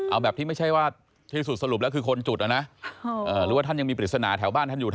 เอาแบบที่ไม่ใช่ว่าที่สุดสรุปแล้วคือคนจุดนะหรือว่าท่านยังมีปริศนาแถวบ้านท่านอยู่นะ